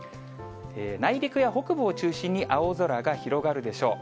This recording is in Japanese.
内陸や北部を中心に、青空が広がるでしょう。